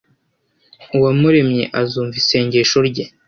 Uwamuremye azumva isengesho rye